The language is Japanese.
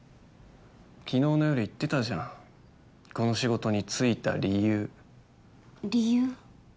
昨日の夜言ってたじゃんこの仕事に就いた理由理由？